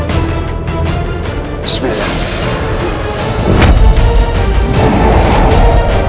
kamu akan terus earthquake